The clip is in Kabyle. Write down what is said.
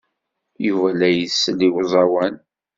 Yuba la isell i uẓawan.